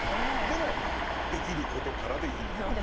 でもできることからでいいっていう。